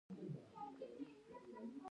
ټوله ورځ تېره پر ستړيا شوه او پر هلو ځلو.